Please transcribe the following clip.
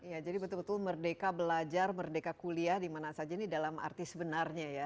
ya jadi betul betul merdeka belajar merdeka kuliah dimana saja ini dalam arti sebenarnya ya